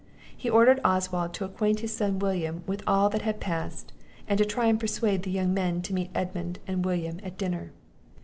He ordered Oswald to acquaint his son William with all that had passed, and to try to persuade the young men to meet Edmund and William at dinner.